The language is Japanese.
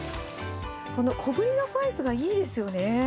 小ぶりのサイズがいいですよね。